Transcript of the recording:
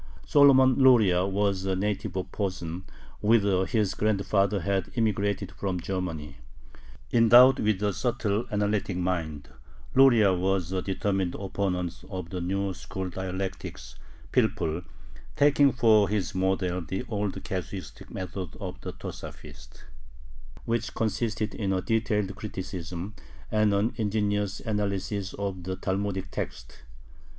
Solomon Luria was a native of Posen, whither his grandfather had immigrated from Germany. Endowed with a subtle, analytic mind, Luria was a determined opponent of the new school dialectics (pilpul), taking for his model the old casuistic method of the Tosafists, which consisted in a detailed criticism and an ingenious analysis of the Talmudic texts.